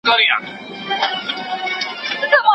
ته لا اوس هم خبر نه يې فساد څه دئ